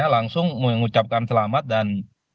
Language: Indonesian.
langsung mengucapkan selamat dan